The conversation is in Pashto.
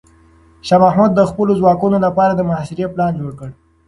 شاه محمود د خپلو ځواکونو لپاره د محاصرې پلان جوړ کړ.